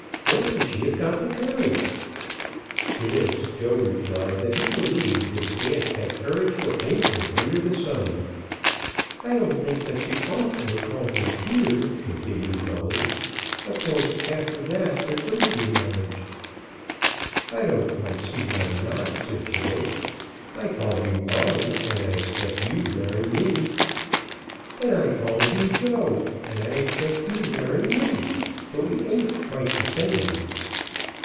Where could she have got the courage?" To this Joe replied that he believed his aunt had courage for anything under the sun. "I don't think that she ought to have called him Peter," continued Molly. "Of course after that there couldn't be a marriage." "I don't quite see why not," said Joe. "I call you Molly, and I expect you to marry me." "And I call you Joe, and I expect you to marry me; but we ain't quite the same."